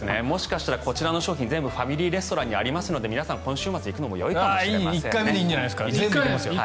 こちらの商品全部ファミリーレストランにありますので皆さん今週末行くのもよいかもしれません。